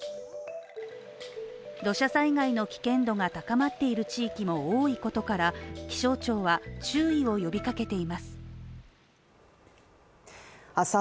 土砂災害の危険度が高まっている地域も多いことから気象庁は注意を呼びかけています。